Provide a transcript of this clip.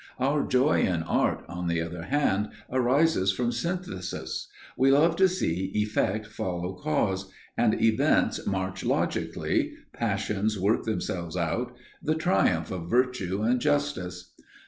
Our joy in art, on the other hand, arises from synthesis; we love to see effect follow cause, and events march logically, passions work themselves out, the triumph of virtue and justice.